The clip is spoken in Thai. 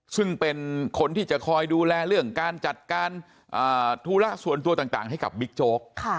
ซึ่งเป็นคนที่จะคอยดูแลเรื่องการจัดการธุระส่วนตัวต่างให้กับบิ๊กโจ๊ก